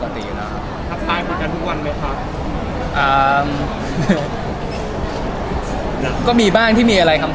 มีมีมีมีมีมีมีมีมีมีมีมีมี